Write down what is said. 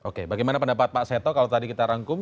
oke bagaimana pendapat pak seto kalau tadi kita rangkum